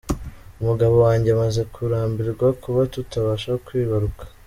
Umugabo wanjye amaze kurambirwa kuba tutabasha kwibaruka.